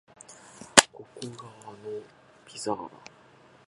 ここか